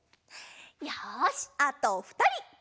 よしあとふたり。